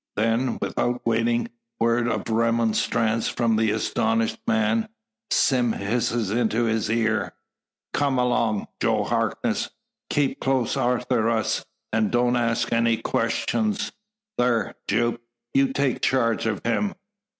Then, without waiting word of remonstrance from the astonished man, Sime hisses into his ear: "Kum along, Joe Harkness! Keep close arter us, an' don't ask any questyuns. Thar, Jupe; you take charge o' him!"